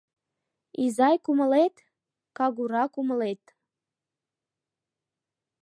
Изай кумылет — кагура кумылет